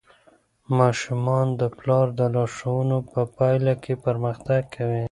ماشومان د پلار د لارښوونو په پایله کې پرمختګ کوي.